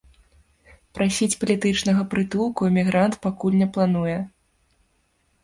Прасіць палітычнага прытулку эмігрант пакуль не плануе.